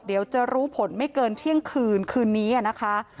เดี๋ยวจะรู้ผลไม่เกินเที่ยงคืนคืนนี้นะคะ